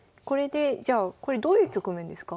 じゃあこれどういう局面ですか？